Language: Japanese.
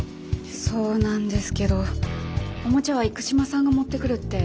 そうなんですけどおもちゃは生島さんが持ってくるって。